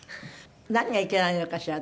何がいけないのかしら？